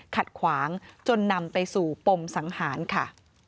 ขัดขวางจนนำไปสู่ปมสังหารค่ะ